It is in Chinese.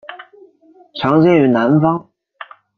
常见于南方。